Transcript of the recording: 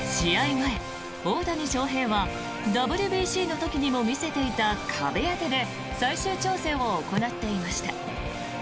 前、大谷翔平はＷＢＣの時にも見せていた壁当てで最終調整を行っていました。